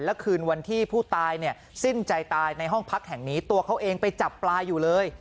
และคืนวันที่ผู้ตายเนี่ยสิ้นใจตายในห้องพักแห่งนี้ตัวเขาเองไปจับปลาอยู่เลย